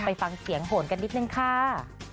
ไปฟังเสียงโหนกันนิดนึงค่ะ